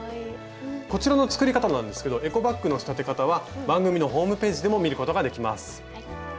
こちらの作り方なんですけどエコバッグの仕立て方は番組のホームページでも見ることができます。